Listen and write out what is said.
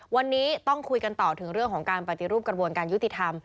วันนี้ต้องคุยกันต่อถึงเรื่องของการปฏิรูปกระบวนการยุติธรรม